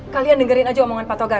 kalian dengerin aja omongan pak togar